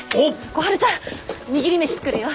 小春ちゃん握り飯作るよ！